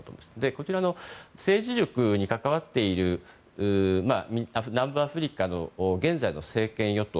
こちらの政治塾に関わっている南部アフリカの現在の政権与党